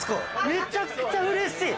めちゃくちゃうれしい！